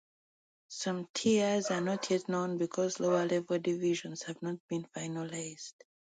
Some tiers are not yet known because lower level divisions have not been finalised.